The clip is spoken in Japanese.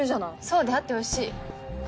そうであってほしい。